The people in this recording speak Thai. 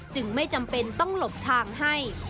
จึงไม่จำเป็นต้องหลบทางให้